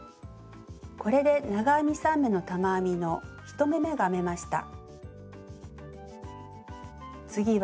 これで長編み３目の玉編みの１目めが編めました。